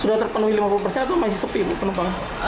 sudah terpenuhi lima puluh persen atau masih sepi penumpangnya